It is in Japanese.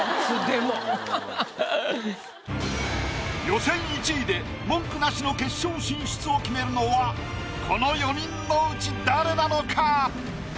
予選１位で文句なしの決勝進出を決めるのはこの４人のうち誰なのか？